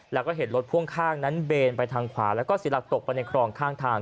แล้วก็เห็นรถพ่วงข้างนั้นเบนไปทางขวาแล้วก็เสียหลักตกไปในคลองข้างทาง